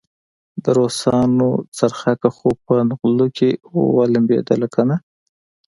د روسانو څرخکه خو په نغلو کې ولمبېدله کنه.